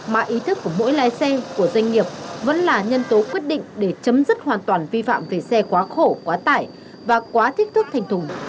mà ý thức của mỗi lai xe của doanh nghiệp vẫn là nhân tố quyết định để chấm dứt hoàn toàn vi phạm về xe quá khổ quá tải và quá thích thức thành thùng trên toàn tỉnh